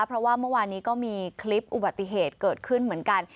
เพราะว่าเมื่อวานนี้ก็มีคลิปอุบัติเหตุเกิดขึ้นเหมือนกัน